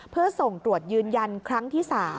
เพื่อส่งตรวจยืนยันครั้งที่๓